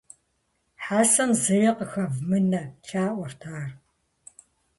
- Хьэсэм зыри къыхэвмынэ! - лъаӀуэрт ар.